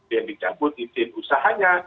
yang dicabut izin usahanya